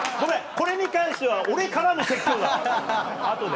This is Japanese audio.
これに関しては俺からの説教だわ後で。